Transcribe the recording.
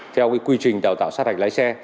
theo quy trình đào tạo sát hạch lái xe